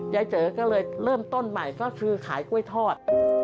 เจิ๋ก็เลยเริ่มต้นใหม่ก็คือขายกล้วยทอด